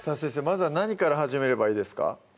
まずは何から始めればいいですか？